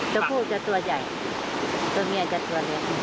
ผู้จะตัวใหญ่ตัวเมียจะตัวเล็ก